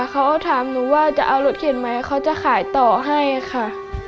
เขาถามหนูว่าจะเอารถเข็นไหมเขาจะขายต่อให้ค่ะ